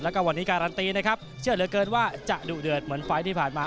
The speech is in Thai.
แล้วก็วันนี้การันตีนะครับเชื่อเหลือเกินว่าจะดุเดือดเหมือนไฟล์ที่ผ่านมา